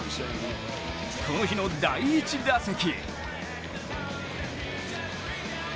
この日の第１打席。